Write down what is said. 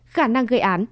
khả năng gây án